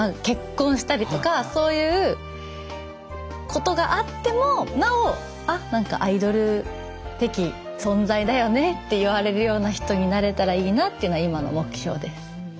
結婚したりとかそういうことがあってもなお「あっ何かアイドル的存在だよね」って言われるような人になれたらいいなっていうのは今の目標です。